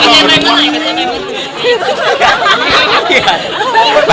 เถอะ